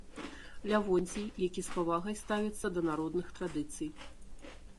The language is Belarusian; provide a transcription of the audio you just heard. Лявонцій, які з павагай ставіцца да народных традыцый.